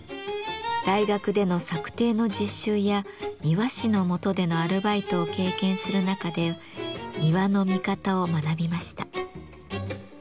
大学での作庭の実習や庭師のもとでのアルバイトを経験する中で庭の見方を学びました。